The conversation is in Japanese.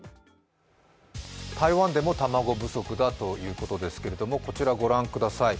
台湾でも卵不足だということですが、こちら、ご覧ください。